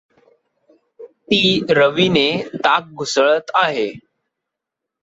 ती रवीने ताक घुसळत आहे.